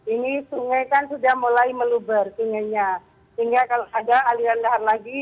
ini sungai kan sudah mulai meluber tingginya sehingga kalau ada aliran lahar lagi